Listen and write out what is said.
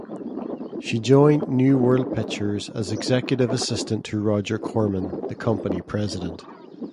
She joined New World Pictures as executive assistant to Roger Corman, the company president.